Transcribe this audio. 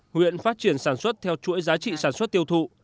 huyện phát triển sản xuất theo chuỗi giá trị sản xuất tiêu thụ